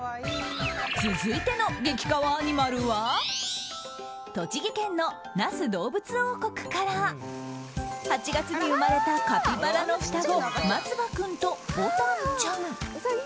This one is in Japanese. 続いての激かわアニマルは栃木県の那須どうぶつ王国から８月に生まれたカピバラの双子まつば君とぼたんちゃん。